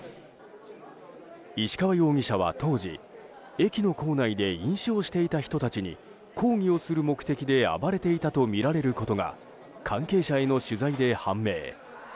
石川容疑者は当時駅の構内で飲酒をしていた人たちに抗議をする目的で暴れていたとみられることが関係者への取材で判明。